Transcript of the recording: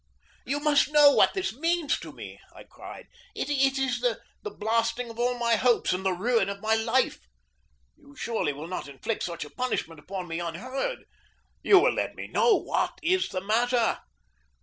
"You must know what this means to me!" I cried. "It is the blasting of all my hopes and the ruin of my life! You surely will not inflict such a punishment upon me unheard. You will let me know what is the matter.